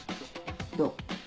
どう？